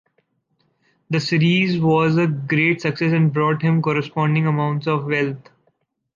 The series was a great success and brought him corresponding amounts of wealth.